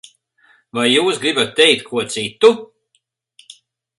Vai jūs gribat teikt ko citu?